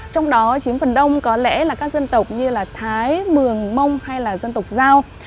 trong đó chiếm phần đông có lẽ là các dân tộc như là thái mường mông hay là dân tộc giao